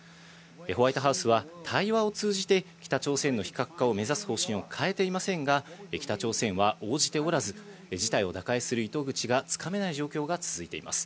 ホワイトハウスは対話を通じて北朝鮮の非核化を目指す方針を変えていませんが、北朝鮮は応じておらず、事態を打開する糸口がつかめない状況が続いています。